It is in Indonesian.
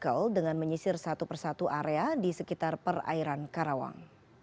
tim menemukan dengan mengisir satu persatu area di sekitar perairan karawang